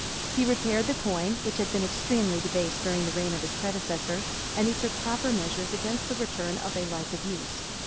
He repaired the coin, which had been extremely debased during the reign of his predecessor; and he took proper measures against the return of a like abuse.